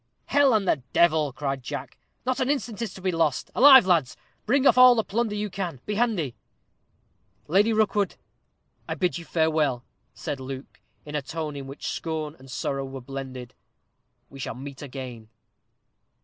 "Hell and the devil!" cried Jack; "not an instant is to be lost. Alive, lads; bring off all the plunder you can; be handy!" "Lady Rookwood, I bid you farewell," said Luke, in a tone in which scorn and sorrow were blended. "We shall meet again."